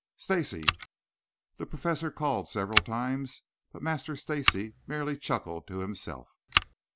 "Stacy!" The Professor called several times, but Master Stacy merely chuckled to himself.